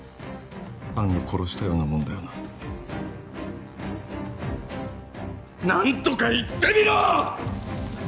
安野殺したようなもんだよな何とか言ってみろ！